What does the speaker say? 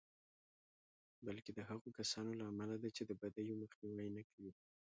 بلکې د هغو کسانو له امله ده چې د بدیو مخنیوی نه کوي.